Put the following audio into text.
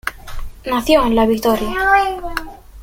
Nació en La Victoria.